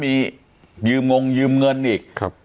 มียืมงงยืมเงินอีก